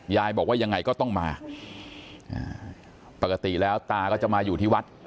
ยายบอกว่ายังไงก็ต้องมาปกติแล้วตาก็จะมาอยู่ที่วัด